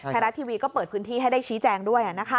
ไทยรัฐทีวีก็เปิดพื้นที่ให้ได้ชี้แจงด้วย